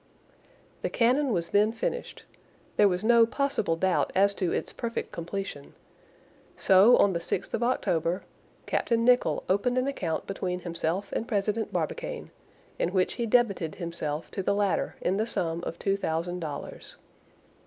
The cannon was then finished; there was no possible doubt as to its perfect completion. So, on the 6th of October, Captain Nicholl opened an account between himself and President Barbicane, in which he debited himself to the latter in the sum of two thousand dollars.